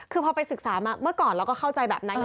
คือพอไปศึกษามาเมื่อก่อนเราก็เข้าใจแบบนั้น